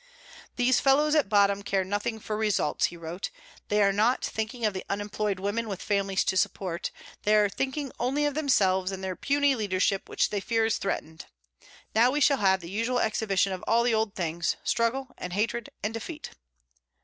"These fellows at bottom care nothing for results," he wrote. "They are not thinking of the unemployed women with families to support, they are thinking only of themselves and their puny leadership which they fear is threatened. Now we shall have the usual exhibition of all the old things, struggle, and hatred and defeat."